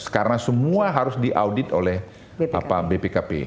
karena semua harus diaudit oleh bpkp